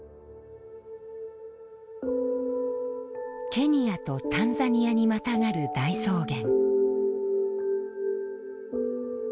ケニアとタンザニアにまたがる大草原。